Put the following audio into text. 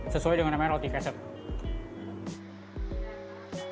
sesuai dengan namanya roti keset